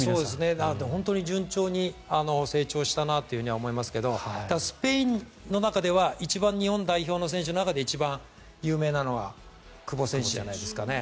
なので、本当に順調に成長したなと思いますがスペインの中では一番日本代表の選手の中で一番有名なのは久保選手じゃないですかね。